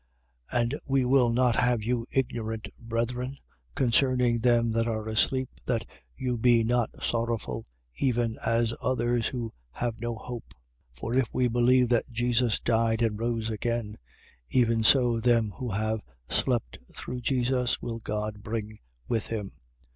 4:12. And we will not have you ignorant brethren, concerning them that are asleep, that you be not sorrowful, even as others who have no hope. 4:13. For if we believe that Jesus died and rose again: even so them who have slept through Jesus, will God bring with him.